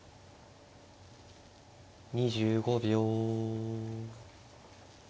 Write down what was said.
２５秒。